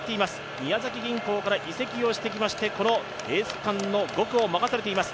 宮崎銀行から移籍してきましてこのエース区間の５区を任されています。